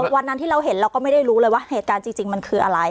วันนั้นที่เราเห็นเราก็ไม่ได้รู้เลยว่าเหตุการณ์จริงมันคืออะไร